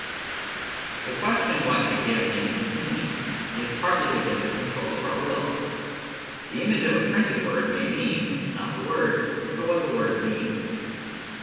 The question what a given image " means " is partly within the control of our will. The image of a printed word may mean, not the word, but what the word means.